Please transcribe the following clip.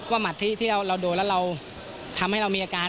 ว่ามัดที่เราโดนและทำให้เรามีอาการ